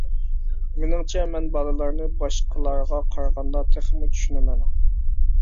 مېنىڭچە مەن بالىلارنى باشقىلارغا قارىغاندا تېخىمۇ چۈشىنىمەن.